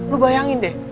lu bayangin deh